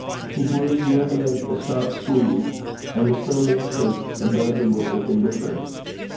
He gave your hand a sharp squeeze, and the same instant abandoned it with indifference.